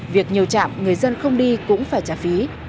việc nhiều trạm người dân không đi cũng phải trả phí